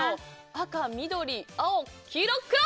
赤、緑、青、黄色、黒！